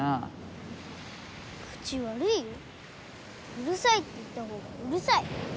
うるさいって言った方がうるさい。